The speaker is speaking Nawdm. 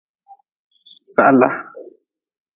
Sahla.